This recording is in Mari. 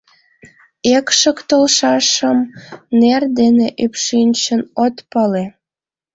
Экшык толшашым нер дене ӱпшынчын от пале.